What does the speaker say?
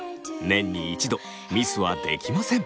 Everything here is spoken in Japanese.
年に一度ミスはできません。